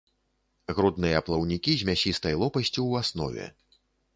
Грудныя плаўнікі з мясістай лопасцю ў аснове.